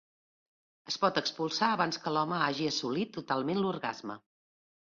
Es pot expulsar abans que l'home hagi assolit totalment l'orgasme.